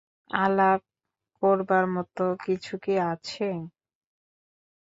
আলাপ করবার মতো কিছু কি আছে?